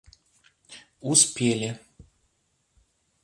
успели